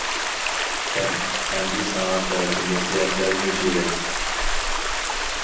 كەل، ئەمدى ساڭا بەزى نەسىھەتلەرنى بېرەي.